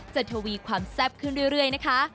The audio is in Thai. ทวีความแซ่บขึ้นเรื่อยนะคะ